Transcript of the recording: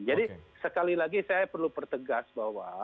jadi sekali lagi saya perlu pertegas bahwa